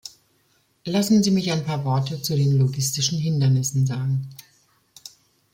Lassen Sie mich ein paar Worte zu den logistischen Hindernissen sagen.